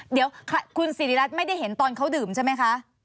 เดี๋ยวคุณสิริรัตน์ไม่ได้เห็นตอนเขาดื่มใช่ไหมคะ